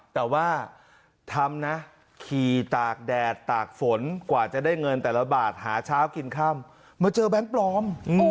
แต่ว่าทำนะขี่ตากแดดตากฝนกว่าจะได้เงินแต่ละบาทหาเช้ากินค่ำมาเจอแบงค์ปลอม